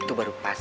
itu baru pas